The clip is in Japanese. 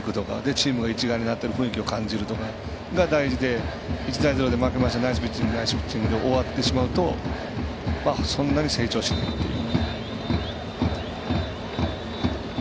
チームが一丸になっている雰囲気を感じるとかが大事で１対０で負けましたナイスピッチングで終わってしまうとそんなに成長しないっていう。